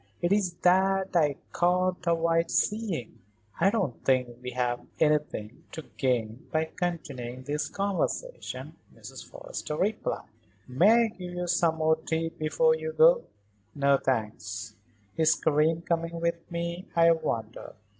It's that I can't avoid seeing." "I don't think we have anything to gain by continuing this conversation," Mrs. Forrester replied. "May I give you some more tea before you go?" "No, thanks. Is Karen coming with me, I wonder?